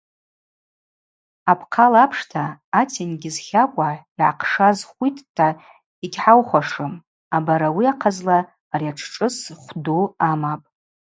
Апхъала апшта атенгьыз хакӏва йгӏахъшаз хвитта йгьхӏаухуашым, абари ахъазла ари атшшӏыс хвду амапӏ.